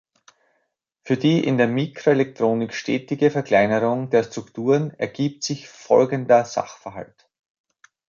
Für die in der Mikroelektronik stetige Verkleinerung der Strukturen ergibt sich folgender Sachverhalt.